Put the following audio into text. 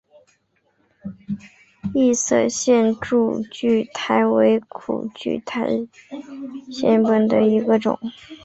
异色线柱苣苔为苦苣苔科线柱苣苔属下的一个种。